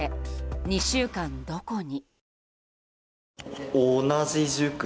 ２週間、どこに。